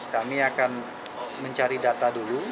kami akan mencari data dulu